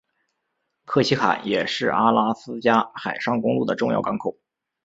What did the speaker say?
克奇坎也是阿拉斯加海上公路的重要港口。